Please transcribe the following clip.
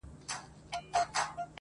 د ډوډۍ پر وخت به خپل قصر ته تلله؛